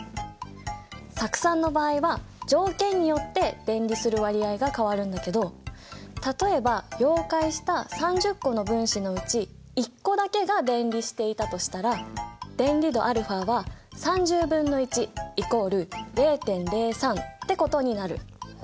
酢酸の場合は条件によって電離する割合が変わるんだけど例えば溶解した３０個の分子のうち１個だけが電離していたとしたら電離度αは３０分の１イコール０．０３ってことになる。